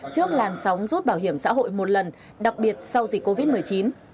trước làn sóng rút bảo hiểm xã hội một lần đặc biệt sau dịch covid một mươi chín